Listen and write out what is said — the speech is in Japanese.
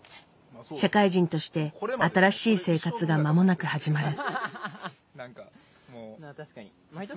社会人として新しい生活が間もなく始まる。